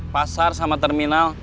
pasar sama terminal